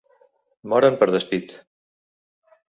Moren per despit.